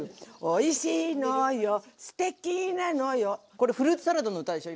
これフルーツサラダの歌でしょ？